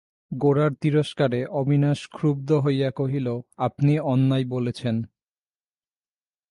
গোরার তিরস্কারে অবিনাশ ক্ষুব্ধ হইয়া কহিল, আপনি অন্যায় বলছেন।